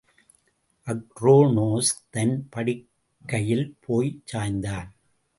அக்ரோனோஸ் தன் படுக்கையில் போய் சாய்ந்தான்.